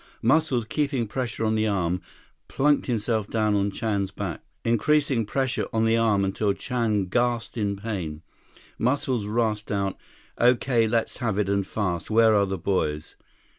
Muscles, keeping pressure on the arm, plunked himself down on Chan's back. Increasing pressure on the arm until Chan gasped in pain, Muscles rasped out, "Okay, let's have it, and fast. Where are the boys?"